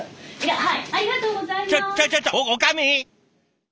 はい。